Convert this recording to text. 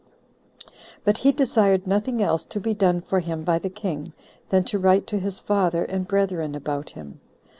But he desired nothing else to be done for him by the king than to write to his father and brethren about him.